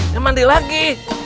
ya mandi lagi